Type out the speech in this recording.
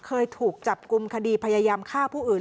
เคยถูกจับกลุ่มคดีพยายามฆ่าผู้อื่น